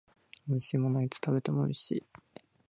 美味しいものはいつ食べても美味しい